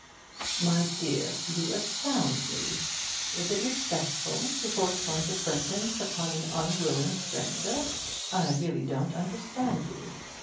'My dear, you astound me! Is it respectful to force one's acquaintance upon an unwilling stranger? I really don't understand you.